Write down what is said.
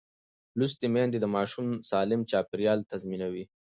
لوستې میندې د ماشوم سالم چاپېریال تضمینوي.